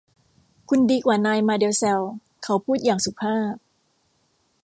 คุณดีกว่านายมาเด็ลแซลเขาพูดอย่างสุภาพ